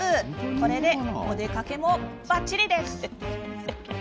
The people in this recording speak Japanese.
これでお出かけも、ばっちりです。